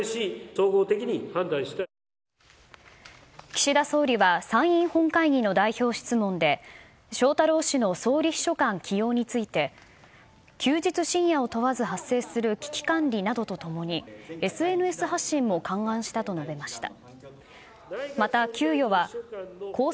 岸田総理は参院本会議の代表質問で翔太郎氏の総理秘書官起用について休日深夜を問わず発生する危機管理などと共にＳＮＳ発信も勘案したと述べました。